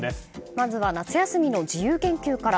まずは夏休みの自由研究から。